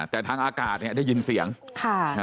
แต่ทางอากาศเนี่ยได้ยินเสียงค่ะอ่า